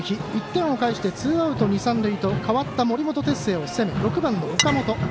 １点を返してツーアウト二塁三塁と代わった森本哲星を背に６番。